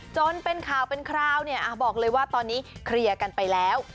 จนเป็นข่าวเป็นคราวเนี่ยบอกเลยว่าตอนนี้เคลียร์กันไปแล้ว